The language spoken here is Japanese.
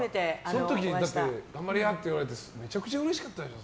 その時、頑張りやって言われてめちゃくちゃうれしかったでしょ。